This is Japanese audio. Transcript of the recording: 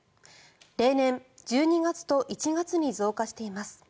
例年１２月と１月に増加しています。